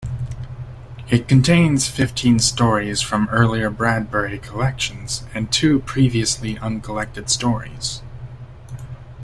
It contains fifteen stories from earlier Bradbury collections, and two previously uncollected stories.